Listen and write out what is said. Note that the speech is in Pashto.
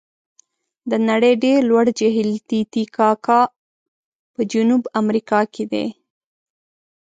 د نړۍ ډېر لوړ جهیل تي تي کاکا په جنوب امریکا کې دی.